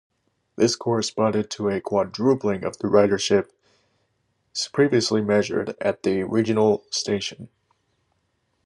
This corresponded to a quadrupling of the ridership previously measured at the regional station.